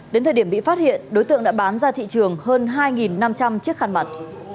đến thời điểm bị phát hiện đối tượng đã bán ra thị trường hơn hai năm trăm linh chiếc khăn mặt